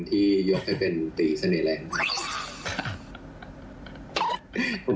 ไปฟังไปเป็นตีเสน่ห์แหละ